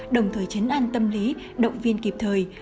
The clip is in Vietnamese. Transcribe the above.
đồng thời chấn an tâm lý động viên kịp thời